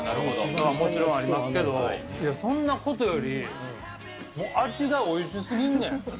もちろんありますけど、そんなことより、味がおいしすぎんねん。